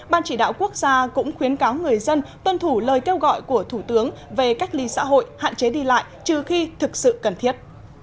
ban chỉ đạo quốc gia cũng khuyến cáo người dân tuân thủ lời kêu gọi của thủ tướng về cách ly xã hội hạn chế đi lại trừ khi thực sự cần thiết